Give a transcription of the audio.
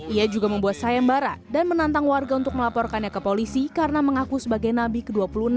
ia juga membuat sayembara dan menantang warga untuk melaporkannya ke polisi karena mengaku sebagai nabi ke dua puluh enam